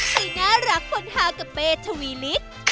ใส่น่ารักฝนทางกับเป๊ทวีลิส